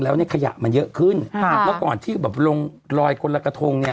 แล้วเนี่ยขยะมันเยอะขึ้นค่ะแล้วก่อนที่แบบลงลอยคนละกระทงเนี่ย